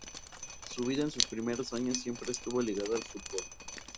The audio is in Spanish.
Su vida en sus primeros años siempre estuvo ligada al fútbol.